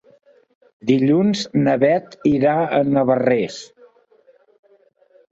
Dilluns na Beth irà a Navarrés.